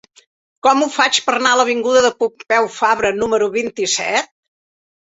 Com ho faig per anar a l'avinguda de Pompeu Fabra número vint-i-set?